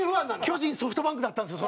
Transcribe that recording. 巨人ソフトバンクだったんですよ